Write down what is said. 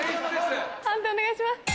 判定お願いします。